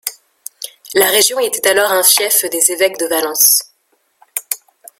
La région était alors un fief des évêques de Valence.